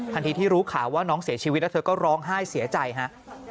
ที่รู้ข่าวว่าน้องเสียชีวิตแล้วเธอก็ร้องไห้เสียใจฮะ